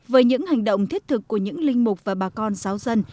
với những hành động thiết thực của những linh mục và bà con giáo dân